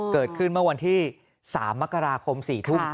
เกิดขึ้นเมื่อวันที่๓มกราคม๔ทุ่ม